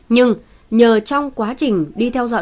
nhưng nhờ trong quá trình đi theo dõi các vụ này